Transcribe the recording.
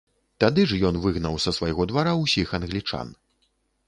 Тады ж ён выгнаў са свайго двара ўсіх англічан.